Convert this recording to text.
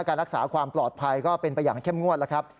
การรักษาความปลอดภัยก็เป็นไปอย่างเข้มงวดแล้วครับ